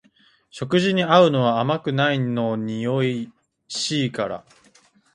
食事に合うのは甘くないのにおいしいから